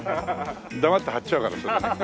黙って貼っちゃうからそれに。